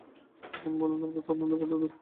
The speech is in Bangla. এখন বলুন, আপনার তদন্ত কতদূর?